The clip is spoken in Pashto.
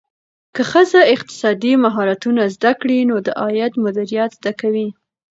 که ښځه اقتصادي مهارتونه زده کړي، نو د عاید مدیریت زده کوي.